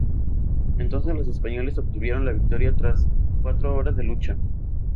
Entonces, los españoles obtuvieron la victoria, tras cuatro horas de lucha.